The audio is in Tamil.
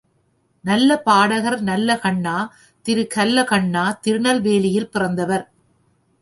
நல்ல பாடகர் நல்லகண்ணா திரு கல்லகண்ணா திருநெல்வேலியில் பிறந்தவர்.